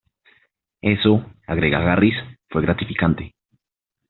Eso "-agrega Garris- "fue gratificante"".